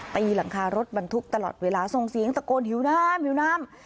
ตีหลังคารถบรรทุกตลอดเวลาส่งเสียงตะโกนหิวน้ำหิวน้ำ